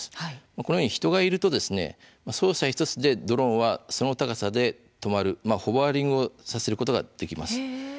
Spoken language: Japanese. このように人がいると操作１つでドローンがその高さで止まるホバーリングさせることができます。